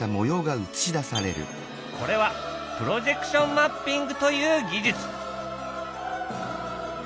これはプロジェクションマッピングという技術。